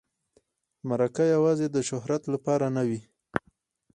مرکه یوازې د شهرت لپاره نه وي.